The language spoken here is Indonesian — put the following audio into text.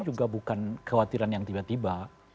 juga bukan kekhawatiran yang tiba tiba